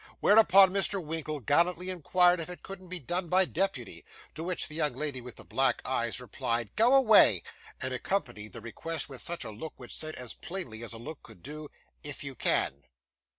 Whereupon Mr. Winkle gallantly inquired if it couldn't be done by deputy: to which the young lady with the black eyes replied 'Go away,' and accompanied the request with a look which said as plainly as a look could do, 'if you can.